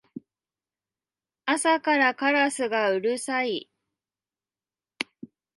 朝からカラスがうるさい